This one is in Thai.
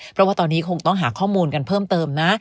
เพราะว่าตอนนี้คงต้องหาข้อมูลกันเพิ่มเติมนะ